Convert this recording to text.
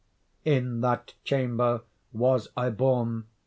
In that chamber was I born.